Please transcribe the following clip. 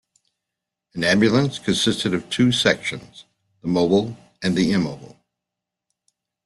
An ambulance consisted of two sections, the Mobile and the Immobile.